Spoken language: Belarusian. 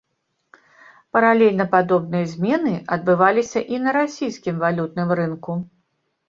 Паралельна падобныя змены адбываліся і на расійскім валютным рынку.